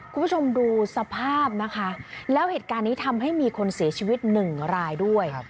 คุณผู้ชมดูสภาพนะคะแล้วเหตุการณ์นี้ทำให้มีคนเสียชีวิตหนึ่งรายด้วย